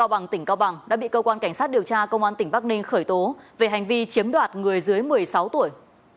cao bằng tỉnh cao bằng đã bị cơ quan cảnh sát điều tra công an tỉnh bắc ninh khởi tố về hành vi chiếm đoạt người dưới một mươi sáu tuổi